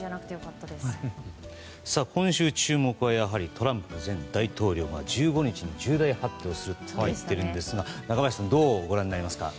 今週注目はやはりトランプ前大統領が１５日に重大発表をすると言っているんですが中林さんどうご覧になりますか。